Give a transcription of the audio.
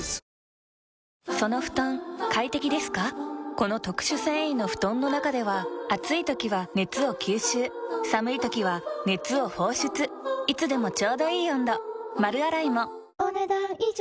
この特殊繊維の布団の中では暑い時は熱を吸収寒い時は熱を放出いつでもちょうどいい温度丸洗いもお、ねだん以上。